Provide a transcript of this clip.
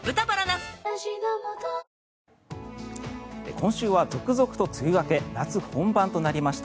今週は続々と梅雨明け夏本番となりました。